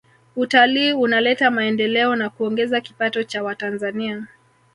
Utalii unaleta maendeleo na kuongeza kipato cha watanzania